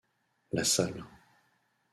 La Salle.